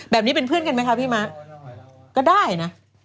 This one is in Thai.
แบบนี้เป็นเพื่อนกันไหมคะพี่ม้าก็ได้นะ